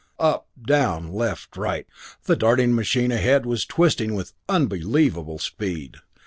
Up, down, left, right, the darting machine ahead was twisting with unbelievable speed.